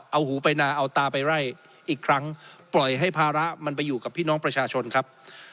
เอาหูไปนาเอาตาไปไล่อีกครั้งปล่อยให้ภาระมันไปอยู่กับพี่น้องประชาชนครับ